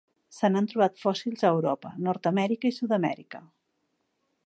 Se n'han trobat fòssils a Europa, Nord-amèrica i Sud-amèrica.